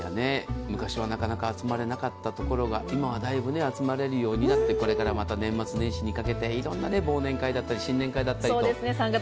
昔はなかなか集まれなかったところが今はだいぶ集まれるようになってこれからまた年末年始にかけていろんな忘年会だったり新年会だったりと。